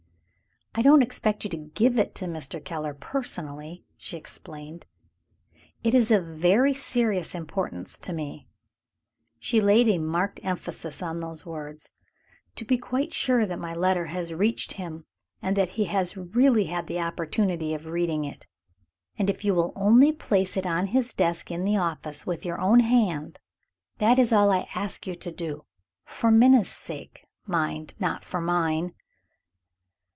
"I don't expect you to give it to Mr. Keller personally," she explained. "It is of very serious importance to me" (she laid a marked emphasis on those words) "to be quite sure that my letter has reached him, and that he has really had the opportunity of reading it. If you will only place it on his desk in the office, with your own hand, that is all I ask you to do. For Minna's sake, mind; not for mine!"